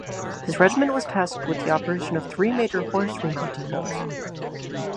His regiment was tasked with the operation of three major horse remount depots.